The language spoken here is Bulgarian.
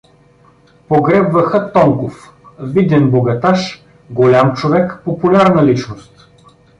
Погребваха Тонков, виден богаташ, голям човек, популярна личност.